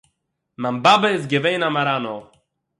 מיין באַבע איז געווען אַ מאַראַנאָ